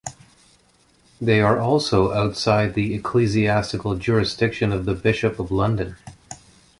They are also outside the ecclesiastical jurisdiction of the Bishop of London.